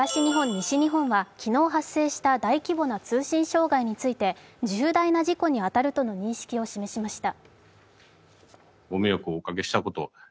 西日本は昨日発生した大規模な通信障害について重大な事故に当たるとの認識を示しました。